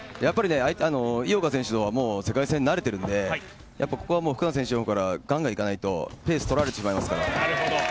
相手の井岡選手はやっぱり世界戦に慣れていますから、ここはもう福永選手の方からガンガンいかないとペースとられてしまいますから。